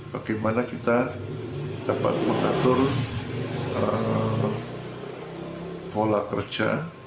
bagaimana kita dapat mengatur pola kerja